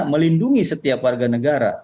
melindungi setiap warga negara